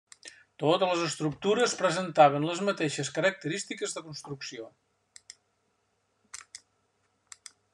Totes les estructures presentaven les mateixes característiques de construcció.